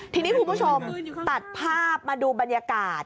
ทีนี้คุณผู้ชมตัดภาพมาดูบรรยากาศ